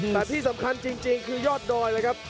แต่ที่สำคัญจริงคือยอดดอยเลยครับ